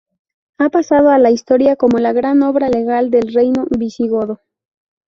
Ha pasado a la historia como la gran obra legal del reino visigodo.